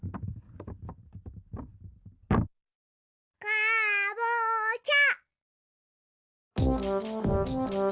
かぼちゃ。